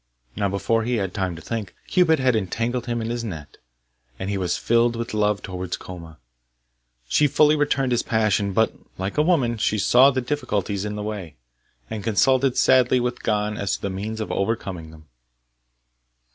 Now, before he had time to think, Cupid had entangled him in his net, and he was filled with love towards Koma. She fully returned his passion, but, like a woman, she saw the difficulties in the way, and consulted sadly with Gon as to the means of overcoming them.